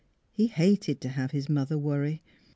He hated to have his mother worry.